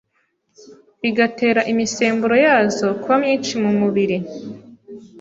bigatera imisemburo yazo kuba myinshi mu mubiri